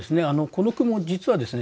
この句も実はですね